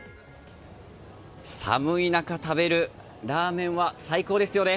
寒い中、食べるラーメンは最高ですよね。